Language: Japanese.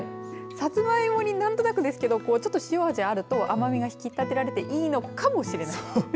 さつまいもに何となく塩味あると甘味が引き立てられていいのかもしれない。